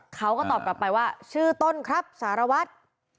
เขาก็ตอบกลับไปว่าชื่อต้นครับสารวัตร